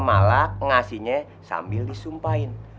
malah pengasihnya sambil disumpahin